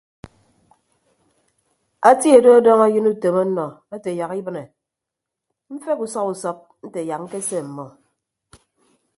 Atie do ọdọñ ayịn utom ọnnọ ate yak ibịne mfeghe usọp usọp nte yak ñkese ọmmọ.